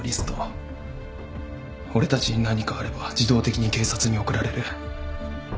俺たちに何かあれば自動的に警察に送られる。